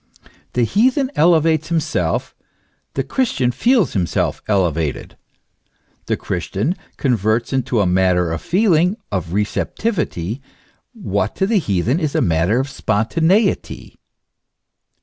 The heathen elevates himself, the Christian feels himself elevated. The Christian converts into a matter of feeling, of receptivity, what to the heathen is a mat ter of spontaneity.